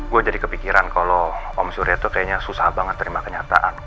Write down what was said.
gue jadi kepikiran kalau om surya tuh kayaknya susah banget terima kenyataan